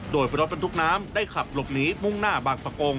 โดยรถบรรทุกน้ำได้ขับหลบหนีมุ่งหน้าบางปะโกง